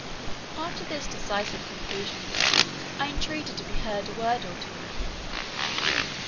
After this decisive conclusion, I entreated to be heard a word or two.